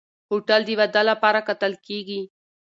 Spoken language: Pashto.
هوټل د واده لپاره کتل کېږي.